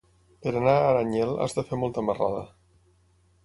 Per anar a Aranyel has de fer molta marrada.